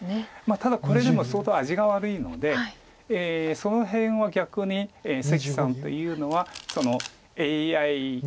ただこれでも相当味が悪いのでその辺は逆に関さんというのはＡＩをうまく使って。